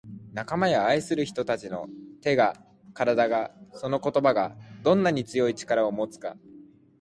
「仲間や愛する人達の手が体がその言葉がどんなに強い力を持つか」